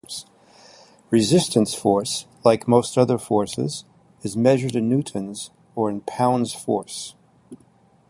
Resistance force, like most other forces, is measured in newtons or in pounds-force.